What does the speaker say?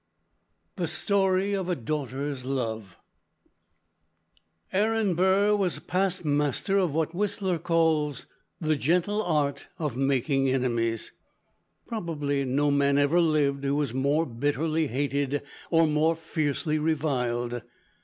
The Story of a Daughter's Love Aaron Burr was past master of what Whistler calls "the gentle art of making enemies!" Probably no man ever lived who was more bitterly hated or more fiercely reviled.